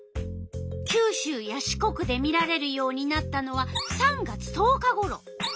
九州や四国で見られるようになったのは３月１０日ごろ。